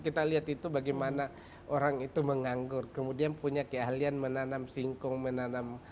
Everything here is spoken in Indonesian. kita lihat itu bagaimana orang itu menganggur kemudian punya keahlian menanam singkong menanam